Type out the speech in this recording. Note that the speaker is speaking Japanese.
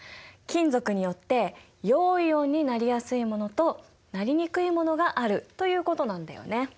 金属によって陽イオンになりやすいものとなりにくいものがあるということなんだよね。